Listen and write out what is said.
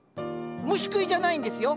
虫食いじゃないんですよ。